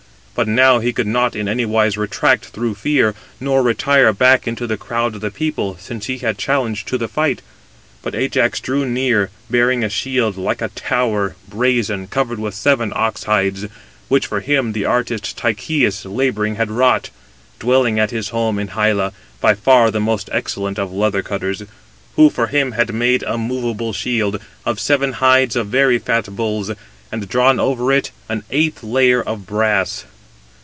But now he could not in anywise retract through fear, nor retire back into the crowd of the people, since he had challenged to the fight. But Ajax drew near, bearing a shield, like a tower, brazen, covered with seven ox hides, which for him the artist Tychius labouring had wrought, dwelling at his home in Hyla, by far the most excellent of leather cutters, who for him had made a moveable shield, of seven hides of very fat bulls, and drawn over it an eighth [layer] of brass.